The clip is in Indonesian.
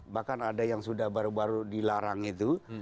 bahkan ada yang sudah baru baru dilarang itu